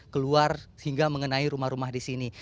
keluar hingga mengenai rumah rumah di sini